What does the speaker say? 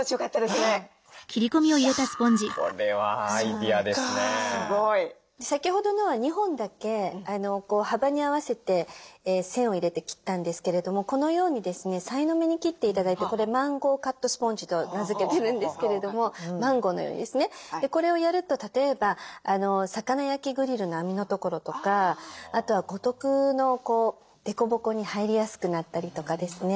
すごい。先ほどのは２本だけ幅に合わせて線を入れて切ったんですけれどもこのようにですねさいの目に切って頂いてこれマンゴーカットスポンジと名付けてるんですけれどもマンゴーのようにですねこれをやると例えば魚焼きグリルの網のところとかあとはごとくの凸凹に入りやすくなったりとかですね。